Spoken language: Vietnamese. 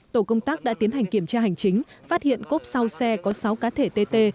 tổ công tác đã tiến hành kiểm tra hành chính phát hiện cốp sau xe có sáu cá thẻ tê tê